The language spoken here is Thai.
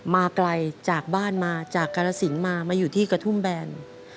มาไกลจากบ้านมาจากกรสินมามาอยู่ที่กระทุ่มแบน